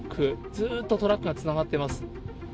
ずっとトラックがつながっています。